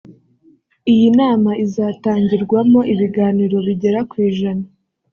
Iyi nama izatangirwamo ibiganiro bigera ku ijana